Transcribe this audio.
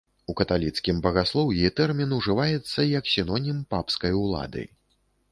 У каталіцкім багаслоўі тэрмін ужываецца як сінонім папскай улады.